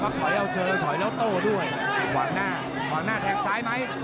มักถอยเอาเชอถอยเอาโต้ด้วยขวางหน้าขวางหน้าแทงซ้ายมั้ย